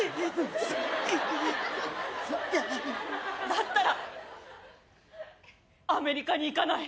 だったらアメリカに行かない？